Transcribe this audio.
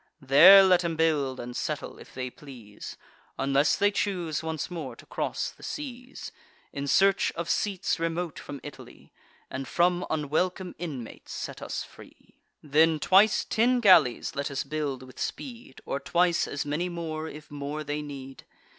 There let them build and settle, if they please; Unless they choose once more to cross the seas, In search of seats remote from Italy, And from unwelcome inmates set us free. Then twice ten galleys let us build with speed, Or twice as many more, if more they need.